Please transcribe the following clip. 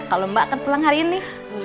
kalau mbak akan pulang hari ini